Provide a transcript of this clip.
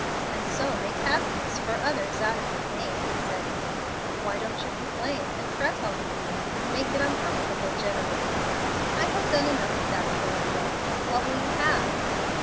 "And so make happiness for others out of your pain," said he. "Why don't you complain and fret all the evening and make it uncomfortable generally?" "I have done enough of that for one day. What will you have?"